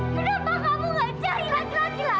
kenapa kamu gak cari laki laki